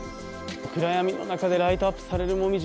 暗闇の中でライトアップされる紅葉。